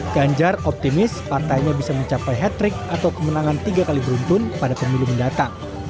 ganjar optimis partainya bisa mencapai hat trick atau kemenangan tiga kali beruntun pada pemilu mendatang